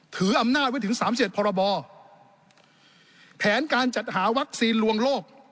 ถืออำนาจไว้ถึงสามเจ็ดพรบแผนการจัดหาวัคซีนลวงโลก